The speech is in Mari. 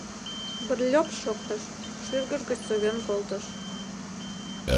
— Брльоп шоктыш, шӱргыж гыч совен колтыш.